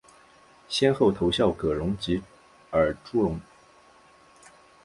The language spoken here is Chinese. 先后投效葛荣及尔朱荣。